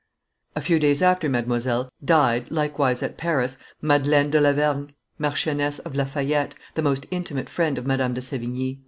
A few days after Mademoiselle, died, likewise at Paris, Madelaine de la Vergne, Marchioness of La Fayette, the most intimate friend of Madame de Sevigne.